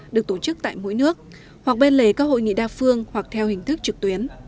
được tổ chức tại mỗi nước hoặc bên lề các hội nghị đa phương hoặc theo hình thức trực tuyến